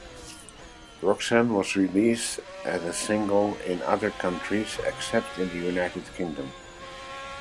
"Roxanne" was released as a single in other countries except the United Kingdom.